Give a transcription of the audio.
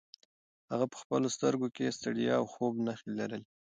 هغه په خپلو سترګو کې د ستړیا او خوب نښې لرلې.